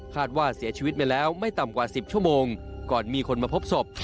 ว่าเสียชีวิตมาแล้วไม่ต่ำกว่า๑๐ชั่วโมงก่อนมีคนมาพบศพ